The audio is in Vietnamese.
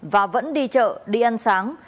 và vẫn đi chợ đi ăn sáng